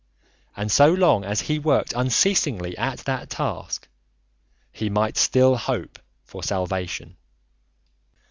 And so long as he worked unceasingly at that task he might still hope for salvation.